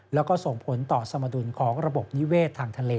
แล้วก็ส่งผลต่อสมดุลของระบบนิเวศทางทะเล